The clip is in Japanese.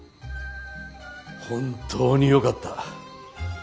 本当によかった。